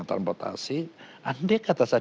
transportasi andai kata saya